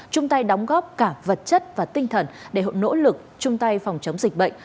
chung tay đóng góp cả vật chất và tinh thần để nỗ lực chung tay phòng chống dịch bệnh